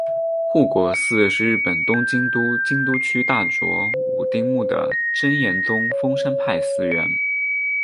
护国寺是日本东京都文京区大冢五丁目的真言宗丰山派寺院。